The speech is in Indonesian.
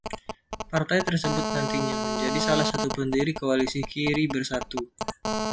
Partai tersebut nantinya menjadi salah satu pendiri koalisi Kiri Bersatu.